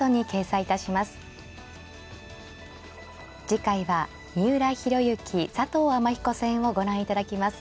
次回は三浦弘行佐藤天彦戦をご覧いただきます。